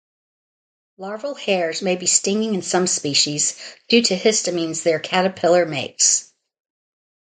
Larval "hairs" may be stinging in some species, due to histamines their caterpillar makes.